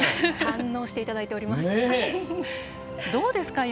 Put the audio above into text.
堪能していただいております。